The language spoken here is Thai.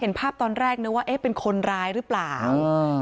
เห็นภาพตอนแรกนึกว่าเอ๊ะเป็นคนร้ายหรือเปล่า